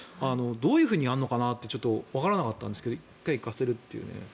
どういうふうにやるのかなってちょっとわからなかったんですが１回行かせるという。